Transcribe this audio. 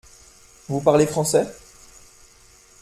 Vous parlez français ?